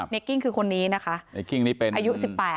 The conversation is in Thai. กิ้งคือคนนี้นะคะในกิ้งนี่เป็นอายุ๑๘